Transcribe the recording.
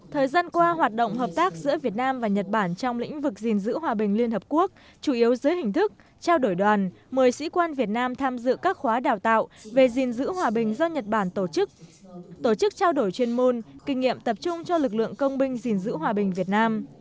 thời gian qua hoạt động hợp tác giữa việt nam và nhật bản trong lĩnh vực gìn giữ hòa bình liên hợp quốc chủ yếu dưới hình thức trao đổi đoàn mời sĩ quan việt nam tham dự các khóa đào tạo về gìn giữ hòa bình do nhật bản tổ chức tổ chức trao đổi chuyên môn kinh nghiệm tập trung cho lực lượng công binh gìn giữ hòa bình việt nam